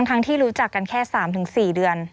ทั้งที่รู้จักกันแค่สามถึงสี่เดือน